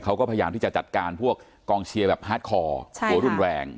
เขาก็พยายามที่จะจัดการพวกกองเชียร์แบบฮาร์ดคอร์รุนแรง